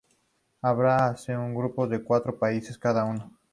Habrá once grupos de cuatro países cada uno.